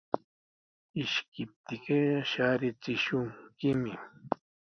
Ishkiptiykiqa shaarichishunkimi.